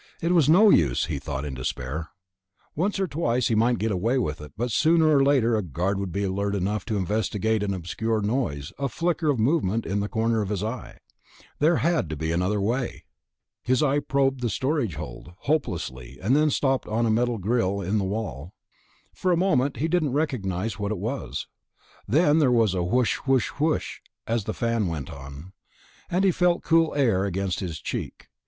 It was no use, he thought in despair. Once or twice he might get away with it, but sooner or later a guard would be alert enough to investigate an obscure noise, a flicker of movement in the corner of his eye.... There had to be another way. His eye probed the storage hold, hopelessly, and then stopped on a metal grill in the wall. For a moment, he didn't recognize what it was. Then there was a whoosh whoosh whoosh as a fan went on, and he felt cool air against his cheek.